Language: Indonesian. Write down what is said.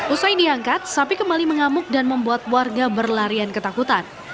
usai diangkat sapi kembali mengamuk dan membuat warga berlarian ketakutan